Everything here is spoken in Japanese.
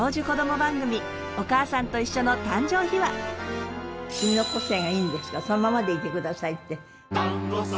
番組「おかあさんといっしょ」の君の個性がいいんですからそのままでいてくださいって。